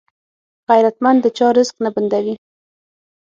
غیرتمند د چا رزق نه بندوي